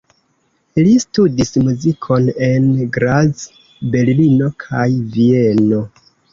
Li studis muzikon en Graz, Berlino kaj Vieno.